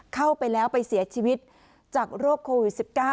เข้าไปแล้วไปเสียชีวิตจากโรคโควิด๑๙